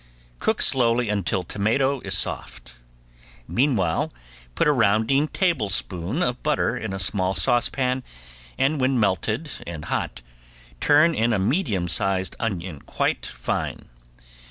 Cook slowly until tomato is soft. Meanwhile put a rounding tablespoon of butter in a small saucepan and when melted and hot turn in a medium sized onion cut fine.